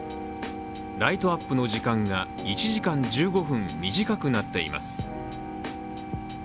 ライトアップの時間が１時間１５分短くなっています。